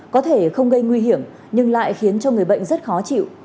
có thể không gây nguy hiểm nhưng lại khiến cho người bệnh rất khó chịu